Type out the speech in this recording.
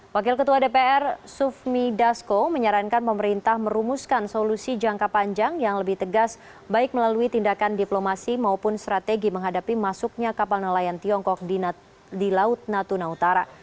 wakil ketua dpr sufmi dasko menyarankan pemerintah merumuskan solusi jangka panjang yang lebih tegas baik melalui tindakan diplomasi maupun strategi menghadapi masuknya kapal nelayan tiongkok di laut natuna utara